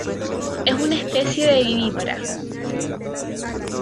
Es una especie vivípara.